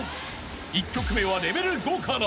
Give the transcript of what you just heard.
［１曲目はレベル５から］